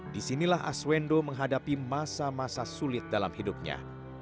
disinilah aswendo menghadapi masa masa sulit dalam hidupnya